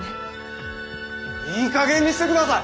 いいかげんにしてください！